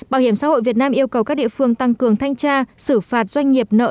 bảo hiểm xã hội việt nam yêu cầu các địa phương tăng cường thanh tra xử phạt doanh nghiệp nợ